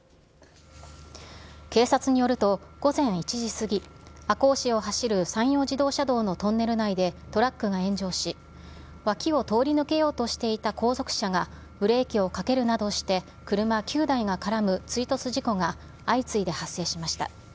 警察によると、午前１時過ぎ、赤穂市を走る山陽自動車道のトンネル内でトラックが炎上し、脇を通り抜けようとしていた後続車がブレーキをかけるなどして、車９台が絡む追突事故が相次いで発生しました。